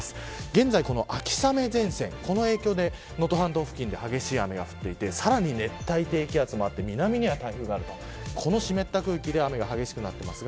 現在、秋雨前線の影響で能登半島付近に激しい雨が降っていてさらに熱帯低気圧もあって南には台風があるこの湿った空気で雨が激しくなっています。